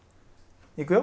いくよ。